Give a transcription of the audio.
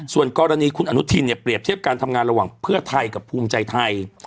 ส่วนกรณีคุณอนุทินเนี่ยเปรียบเทียบการทำงานระหว่างเพื่อไทยกับภูมิใจไทย